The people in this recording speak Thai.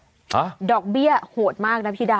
ฮะยังไงครับดอกเบี้ยโหดมากนะพี่ดาว